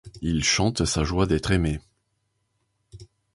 Il chante sa joie d'être aimé.